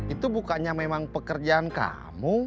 itu bukannya memang pekerjaan kamu